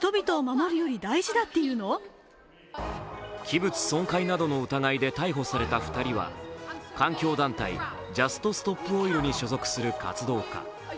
器物損壊などの疑いで逮捕された２人は環境団体、ジャスト・ストップ・オイルに所属する活動家。